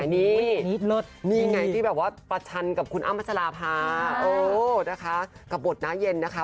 นี่นี่ไงที่แบบว่าประชันกับคุณอ้ำพัชราภาโอ้นะคะกับบทน้าเย็นนะคะ